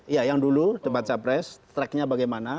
ya yang dulu debat capres tracknya bagaimana